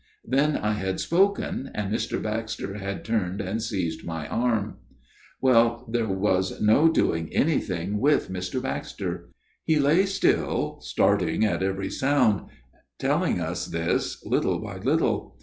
Then I had spoken, and Mr. Baxter had turned and seized my arm. " Well, there was no doing anything with Mr. Baxter. He lay still, starting at every sound, telling us this little by little.